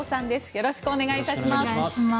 よろしくお願いします。